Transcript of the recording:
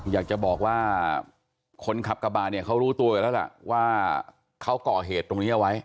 อยากจะบอกว่าคนขับกระบาดเนี่ยเขารู้ตัวกันแล้วล่ะว่าเขาก่อเหตุตรงนี้เอาไว้